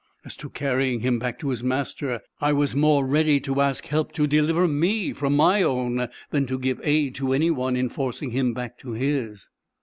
As to carrying him back to his master, I was more ready to ask help to deliver me from my own, than to give aid to any one in forcing him back to his.